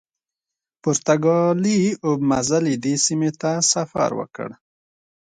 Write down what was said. پرتګالي اوبمزلي دې سیمې ته سفر وکړ.